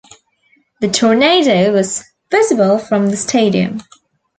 The tornado was visible from the stadium.